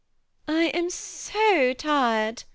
*< I am so tired